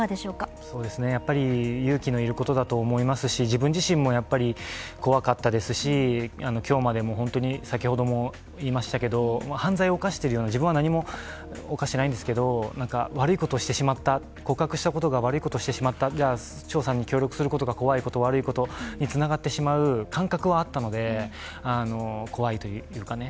やっぱり勇気のいることだと思いますし自分自身もやっぱり怖かったですし、今日までも犯罪を犯しているような、自分は何も犯していないんですけど、告白してしまったことが悪いことをしてしまった調査に協力することが怖いこと、悪いことにつながってしまう感覚はあったので、怖いというかね。